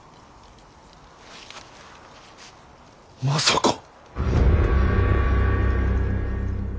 まさか。